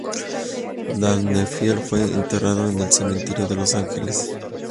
Dangerfield fue enterrado en el cementerio en Los Ángeles.